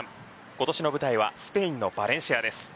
今年の舞台はスペインのバレンシアです。